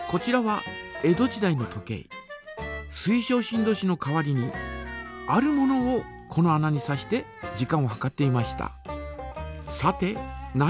こちらは水晶振動子の代わりにあるものをこの穴に挿して時間を計っていました。